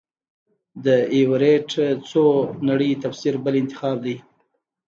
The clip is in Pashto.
د ایورېټ څو نړۍ تفسیر بل انتخاب دی.